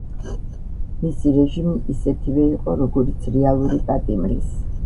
მისი რეჟიმი ისეთივე იყო, როგორიც რეალური პატიმრის.